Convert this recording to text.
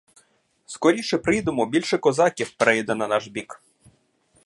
Скоріше прийдемо, більше козаків перейде на наш бік.